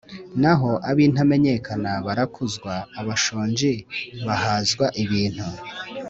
naho abintamenyekana barakuzwa, abashonji bahazwa ibintu